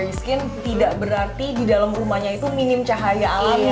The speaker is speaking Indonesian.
terus secondary skin tidak berarti di dalam rumahnya itu minim cahaya alami gitu ya